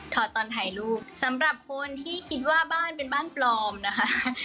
อดตอนถ่ายรูปสำหรับคนที่คิดว่าบ้านเป็นบ้านปลอมนะคะ